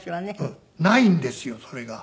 ないんですよそれが。